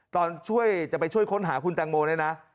ตอนช่วยจะไปช่วยค้นหาคุณแตงโมเนี่ยนะ